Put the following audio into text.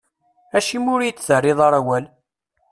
Acimi ur iyi-d-terriḍ ara awal?